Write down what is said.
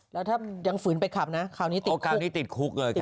แล้วถ้ายังฝืนไปขับนะคราวนี้ติดคุกเลยค่ะ